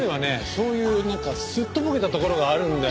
そういうなんかすっとぼけたところがあるんだよ。